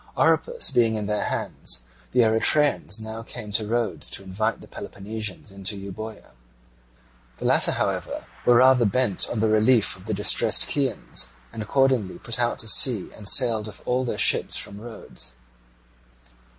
Oropus being in their hands, the Eretrians now came to Rhodes to invite the Peloponnesians into Euboea. The latter, however, were rather bent on the relief of the distressed Chians, and accordingly put out to sea and sailed with all their ships from Rhodes.